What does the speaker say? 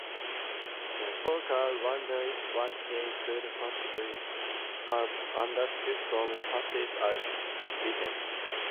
Parker wonders what they could possibly have understood from the passage as written.